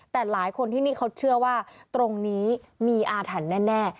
แต่หลายคนที่นี่เขาเชื่อว่าตรงนี้มีอาถรรพ์แน่